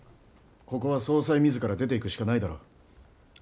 ここは総裁自ら出ていくしかないだろう。